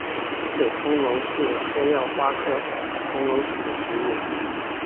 北重楼是黑药花科重楼属的植物。